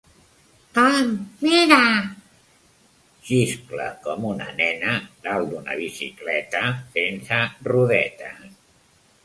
Tom, mira! –xiscla com una nena dalt d'una bicicleta sense rodetes–.